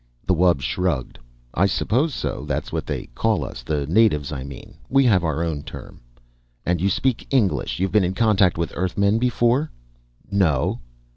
The wub shrugged. "I suppose so. That's what they call us, the natives, I mean. We have our own term." "And you speak English? You've been in contact with Earthmen before?" "No."